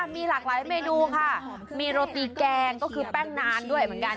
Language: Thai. มีหลากหลายเมนูค่ะมีโรตีแกงก็คือแป้งนานด้วยเหมือนกัน